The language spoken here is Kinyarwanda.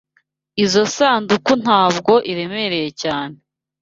Izoi sanduku ntabwo iremereye cyane.